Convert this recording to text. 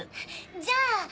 じゃあ！